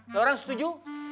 lo orang setuju